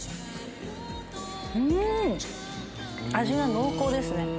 味は濃厚ですね